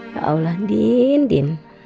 ya allah din